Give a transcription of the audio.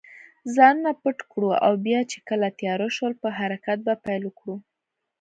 ځانونه پټ کړو او بیا چې کله تېاره شول، په حرکت به پیل وکړو.